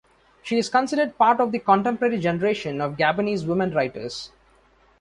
She is considered part of the contemporary generation of Gabonese women writers.